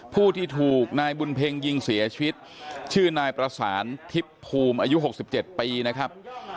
ผู้ที่ถูกนายบุญเพ็งยิงเสียชีวิตชื่อนายประสานทิพย์ภูมิอายุ๖๗ปีนะครับ